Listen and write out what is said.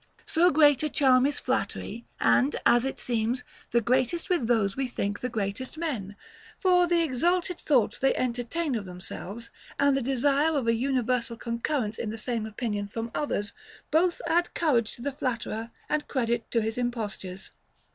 So great a charm is flattery, and, as it seems, the greatest with those we think the greatest men ; for the exalted thoughts they entertain of themselves, and the desire of a universal concurrence in the same opinion from others, both add courage to the flatterer and credit to his impostures.